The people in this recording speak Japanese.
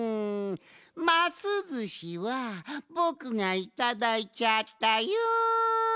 ますずしはぼくがいただいちゃったよん！